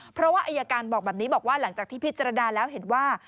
เพราะว่าอายการบอกแบบนี้บอกว่าหลังจากที่พิจารณาแล้วเห็นว่า